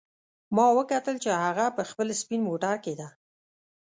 ما وکتل چې هغه په خپل سپین موټر کې ده